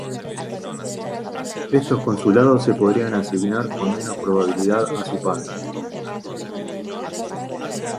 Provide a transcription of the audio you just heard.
Estos consulados se podrían asignar con menos probabilidad a su padre.